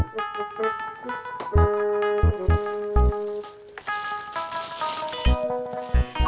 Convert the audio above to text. sempurna bangga di aktivitas